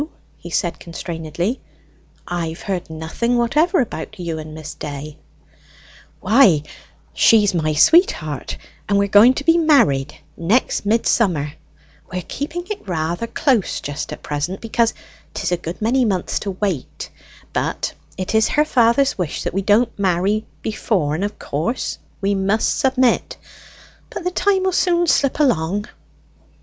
"No," he said constrainedly, "I've heard nothing whatever about you and Miss Day." "Why, she's my sweetheart, and we are going to be married next Midsummer. We are keeping it rather close just at present, because 'tis a good many months to wait; but it is her father's wish that we don't marry before, and of course we must submit. But the time 'ill soon slip along."